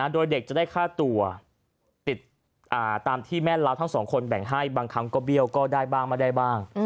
โดยเด็กจะได้ค่าตัวติดตามที่แม่เล้าทั้งสองคนแบ่งให้บางครั้งก็เบี้ยวก็ได้บ้างไม่ได้บ้าง